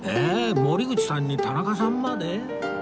森口さんに田中さんまで？